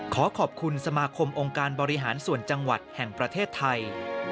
ขอขอบคุณสมาคมองค์การบริหารส่วนจังหวัดแห่งประเทศไทย